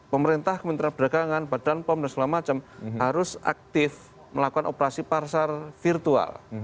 pemerintah kementerian perdagangan badan pom dan segala macam harus aktif melakukan operasi pasar virtual